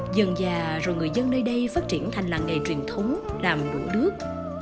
dần già rồi người dân nơi đây phát triển thành làng ngày truyền thống làm đũa đước